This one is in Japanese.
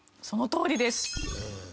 そのとおりです。